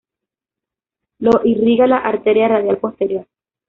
Lo irriga la arteria radial posterior.